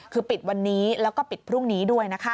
คือปิดวันนี้แล้วก็ปิดพรุ่งนี้ด้วยนะคะ